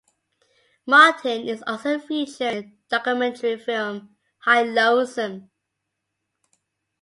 Martin is also featured in the documentary film "High Lonesome".